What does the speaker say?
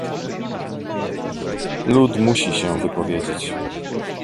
Lud musi się wypowiedzieć